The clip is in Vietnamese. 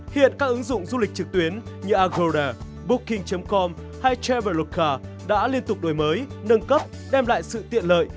hiện các ứng dụng du lịch trực tuyến như agoda booking com hay travel luka đã liên tục đổi mới nâng cấp đem lại sự tiện lợi